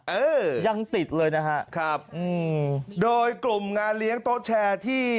เออยังติดเลยนะฮะครับอืมโดยกลุ่มงานเลี้ยงโต๊ะแชร์ที่